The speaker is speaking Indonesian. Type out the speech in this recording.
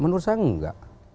menurut saya enggak